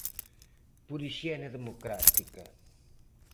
Por hixiene democrática.